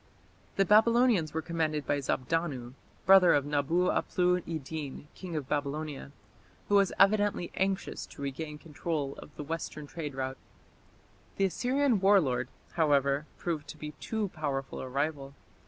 The Babylonians were commanded by Zabdanu, brother of Nabu aplu iddin, king of Babylonia, who was evidently anxious to regain control of the western trade route. The Assyrian war lord, however, proved to be too powerful a rival.